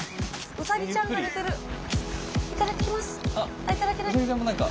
ウサギちゃんも何か。